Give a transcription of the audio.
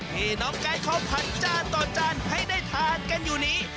ที่น้องไก่เขาผัดจานต่อจานให้ได้ทานกันอยู่นี้